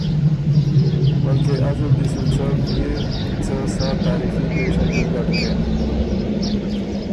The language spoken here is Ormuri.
بلکې از ال دی سو څه بئے څه سا تاریخي پېشئ ګۀ ګډ کېم